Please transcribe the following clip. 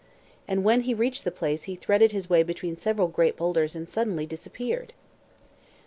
And when he reached the place he threaded his way between several great boulders and suddenly disappeared.